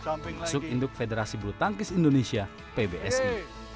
masuk induk federasi bulu tangkis indonesia pbsi